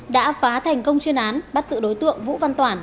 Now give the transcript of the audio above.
đã phá thành công chuyên án bắt sự đối tượng vũ văn toản